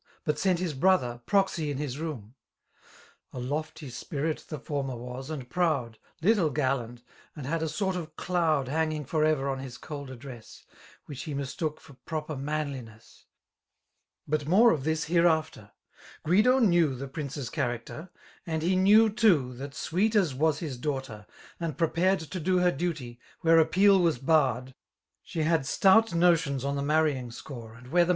But Bent his bn>ther> proxy in his loom. A lofty spiiit the Ibrmer was, and proud^ Little gallant^ and had a sort of doud Han^ng for ever on his cold address^ ' Which be mistook for proper manliness. But more of this hereafter. Guido knew The prinJBe's character; and he knew too* That sweet as was his daughter > and prepared To do \kT duty> where appeal w«6 bafffd» She had stout notioiis on the ikMurryiiig tcore. And where the